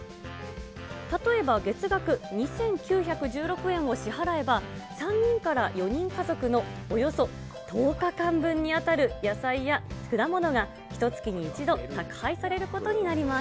例えば月額２９１６円を支払えば、３人から４人家族のおよそ１０日間分に当たる野菜や果物がひとつきに１度、宅配されることになります。